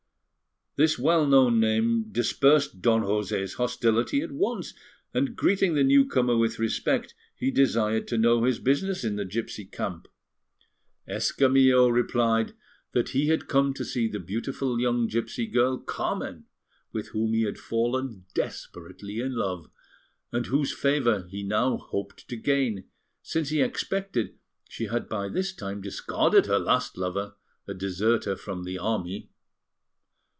This well known name dispersed Don José's hostility at once, and greeting the newcomer with respect, he desired to know his business in the gipsy camp. Escamillo replied that he had come to see the beautiful young gipsy girl, Carmen, with whom he had fallen desperately in love, and whose favour he now hoped to gain, since he expected she had by this time discarded her last lover, a deserter from the army.